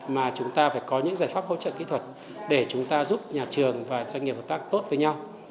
mà chúng ta phải có những giải pháp hỗ trợ kỹ thuật để chúng ta giúp nhà trường và doanh nghiệp hợp tác tốt với nhau